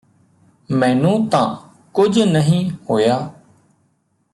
ਮੈਨੂੰ ਤਾਂ ਕੁੱਝ ਨਹੀਂ ਹੋਇਆ